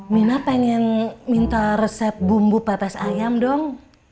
mina pengen minta resep bumbu pepes ayam dong